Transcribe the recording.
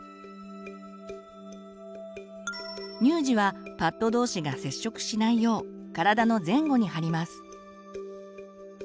乳児はパッドどうしが接触しないよう体の前後に貼ります。